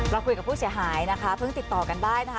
เราคุยกับผู้เสียหายนะคะเพิ่งติดต่อกันได้นะคะ